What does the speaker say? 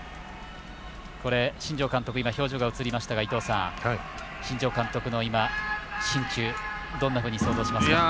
新庄監督、表情が映りましたが伊東さん、新庄監督の心中どんなふうに想像しますか？